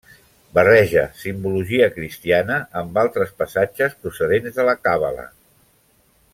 Barreja simbologia cristiana amb altres passatges procedents de la càbala.